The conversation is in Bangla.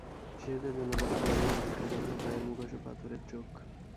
শিশুদের জন্য লেখা বইয়ের মধ্যে বিখ্যাত হল, "ভয়ের মুখোশ" ও "পাথরের চোখ"।